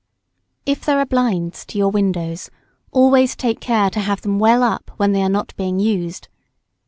If there are blinds to your windows, always take care to have them well up, when they are not being used.